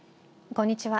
こんにちは。